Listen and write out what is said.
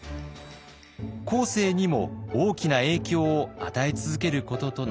後世にも大きな影響を与え続けることとなります。